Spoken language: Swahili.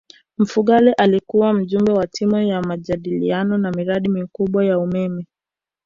mfugale alikuwa mjumbe wa timu ya majadiliano ya miradi mikubwa ya umeme